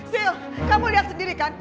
sil kamu lihat sendiri kan